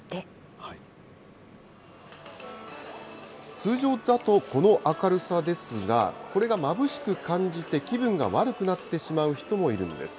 通常だとこの明るさですが、これがまぶしく感じて、気分が悪くなってしまう人もいるんです。